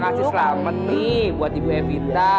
kasih selamat nih buat ibu evita